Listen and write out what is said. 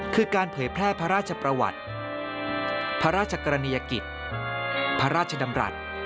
คือการเผยแพร่พระราชประวัติพระราชกรณียกิจพระราชดำรัฐ